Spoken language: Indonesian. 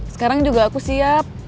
sekarang juga aku siap